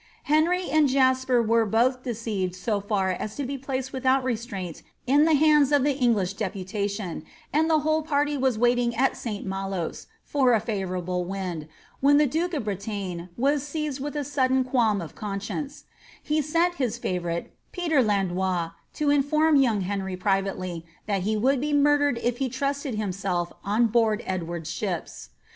Henry and Jasper were both deceived so far as to be placed without resistance in the hands of the English deputation, and the whole party were only waiting at St. Malos, for a favourable wind, when the duke of Bretagne was seized with a sudden qualm of conscience ; he sent his favourite, Peter Landois, to inform young Henry pri\'ately that he would be murdered if he trusted himself on board Edward's ships.